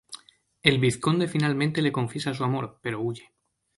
El vizconde finalmente le confiesa su amor, pero huye.